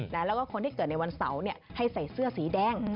แล้วก็คนที่เกิดในวันเสาร์ให้ใส่เสื้อสีแดง